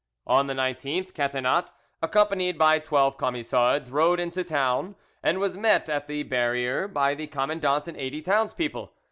On the 19th, Catinat, accompanied by twelve Camisards, rode into the town, and was met at the barrier by the commandant and eighty townspeople.